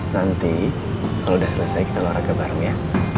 nanti kalo udah selesai kita olahraga bareng ya